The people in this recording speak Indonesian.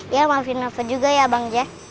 iya maafin apa juga ya bang jek